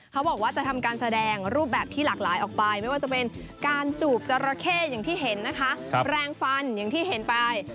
เขาบอกว่าจะทำการแสดงรูปแบบที่หลากหลายออกไปไม่ว่าจะเป็นการจูบจราเข้อย่างที่เห็นนะคะแรงฟันอย่างที่เห็นไป